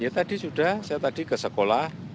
ya tadi sudah saya tadi ke sekolah